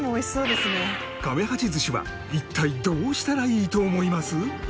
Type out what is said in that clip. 亀八寿司は一体どうしたらいいと思います？